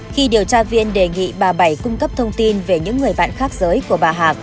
khi điều tra viên đề nghị bà bảy cung cấp thông tin về những người bạn khác giới của bà hạc